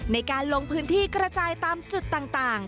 ในการลงพื้นที่กระจายตามจุดต่าง